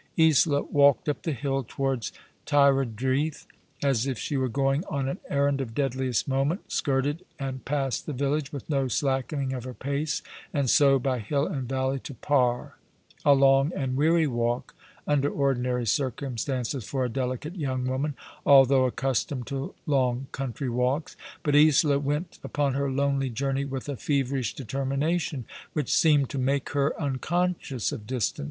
Isola walked up the hill towards Tywardreath as if she were going on an errand of deadliest moment, skirted and passed the village, with no slackening of her pace, and so by hill and valley to Par, a long and weary walk under ordinary circumstances for a delicate young woman, although accustomed to long country walks. But Isola went upon her lonely journey with a feverish determination which seemed to make her unconscious of distance.